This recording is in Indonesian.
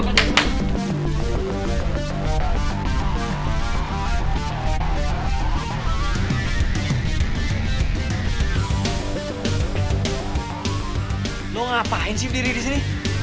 lo ngapain sih sendiri disini